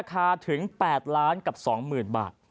ราคาถึง๘ล้านกับ๒๐๐๐๐บาท